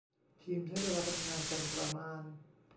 ทีมใช้เวลาทำงานกันประมาณ